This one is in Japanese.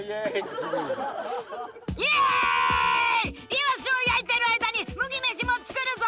イワシを焼いてる間に麦飯も作るぞ！